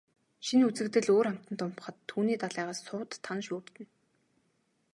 Шинэ үзэгдэл өөр амтанд умбахад түүний далайгаас сувд, тана шүүрдэнэ.